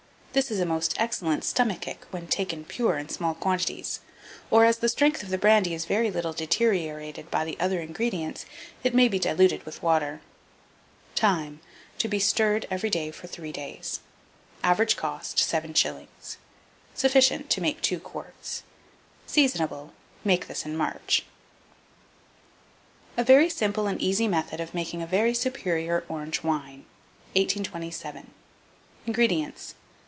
This is a most excellent stomachic when taken pure in small quantities; or, as the strength of the brandy is very little deteriorated by the other ingredients, it may be diluted with water. Time. To be stirred every day for 3 days. Average cost, 7s. Sufficient to make 2 quarts. Seasonable. Make this in March. A VERY SIMPLE AND EASY METHOD OF MAKING A VERY SUPERIOR ORANGE WINE. 1827. INGREDIENTS.